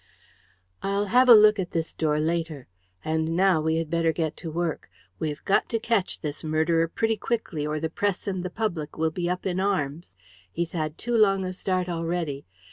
"I'll have a look at this door later. And now, we had better get to work. We have got to catch this murderer pretty quickly, or the press and the public will be up in arms. He's had too long a start already.